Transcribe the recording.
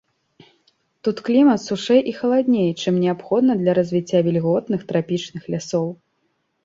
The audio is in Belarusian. Тут клімат сушэй і халадней, чым неабходна для развіцця вільготных трапічных лясоў.